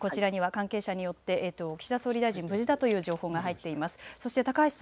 こちらには関係者によって岸田総理大臣無事だという情報が入っています。